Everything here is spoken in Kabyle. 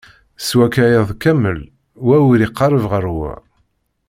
S wakka iḍ kamel, wa ur iqerreb ɣer wa.